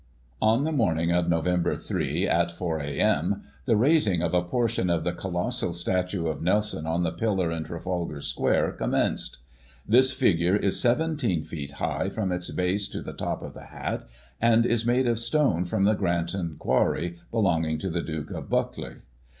On the morning of Nov. 3, at 4 a.m., the raising of a por tion of the colossal statue of Nelson, on the pillar in Trafalgar Square, commenced. This figure is 17 feet high from its base to the top of the hat, and is made of stone from the Granton quarry, belonging to the Duke of Buccleugh.